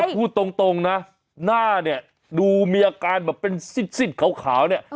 เอ้าพูดตรงตรงน่ะหน้าเนี้ยดูมีอาการแบบเป็นสิบสิบขาวขาวเนี้ย